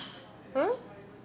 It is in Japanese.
うん。